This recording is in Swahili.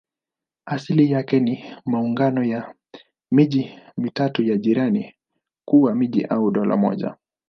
Asili yake ni maungano ya miji mitatu ya jirani kuwa mji au dola moja.